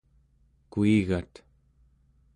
kuigat